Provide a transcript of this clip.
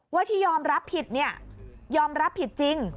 ว่าที่ยอมรับผิดเนี่ยยอมรับผิดจริง